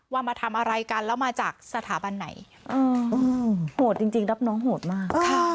มาทำอะไรกันแล้วมาจากสถาบันไหนโหดจริงรับน้องโหดมาก